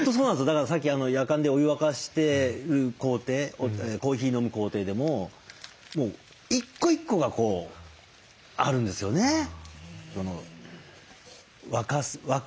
だからさっきやかんでお湯沸かしてる工程コーヒー飲む工程でももう一個一個がこうあるんですよね沸くまで。